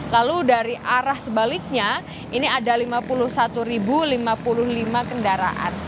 lalu dari arah sebaliknya ini ada lima puluh satu lima puluh lima kendaraan